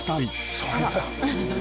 そうなんだ。